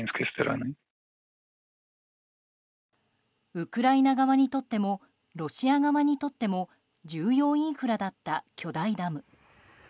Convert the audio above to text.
ウクライナ側にとってもロシア側にとっても重要インフラだった巨大ダム。